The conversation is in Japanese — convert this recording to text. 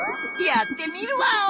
やってみるワオ！